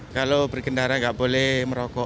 kalau berkendara nggak boleh merokok